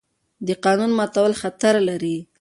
د قانون ماتول خطر لري